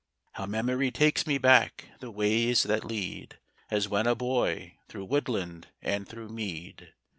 How memory takes me back the ways that lead As when a boy through woodland and through mead!